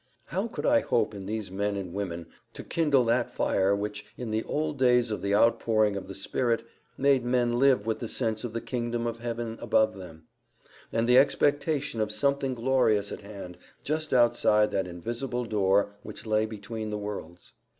How could I hope in these men and women to kindle that fire which, in the old days of the outpouring of the Spirit, made men live with the sense of the kingdom of heaven about them, and the expectation of something glorious at hand just outside that invisible door which lay between the worlds?